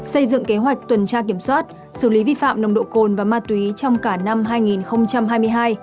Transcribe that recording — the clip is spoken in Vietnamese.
xây dựng kế hoạch tuần tra kiểm soát xử lý vi phạm nồng độ cồn và ma túy trong cả năm hai nghìn hai mươi hai